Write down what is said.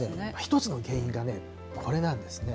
１つの原因がね、これなんですね。